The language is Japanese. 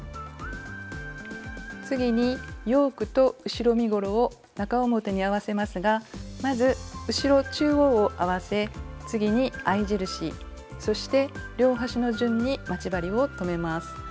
次にヨークと後ろ身ごろを中表に合わせますがまず後ろ中央を合わせ次に合い印そして両端の順に待ち針を留めます。